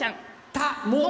たも？